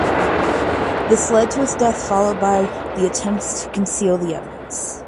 This led to his death followed by the attempts to conceal the evidence.